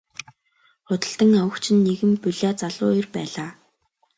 Худалдан авагч нь нэгэн булиа залуу эр байлаа.